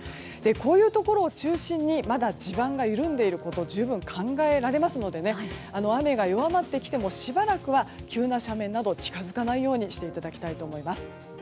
こういうところを中心にまだ地盤が緩んでいることが十分考えられますので雨が弱まってきてもしばらくは急な斜面などに近づかないようにしていただきたいと思います。